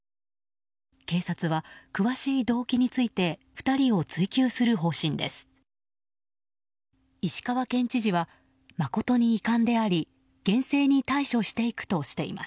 警察は詳しい動機について２人を追及する方針です。